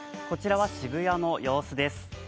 こちらは渋谷の様子です。